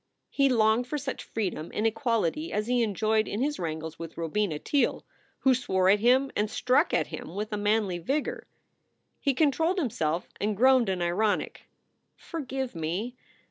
He longed for such freedom and equality as he enjoyed in his wrangles with Robina Teele, who swore at him and struck at him with a manly vigor. He controlled himself and groaned an ironic: "Forgive me!"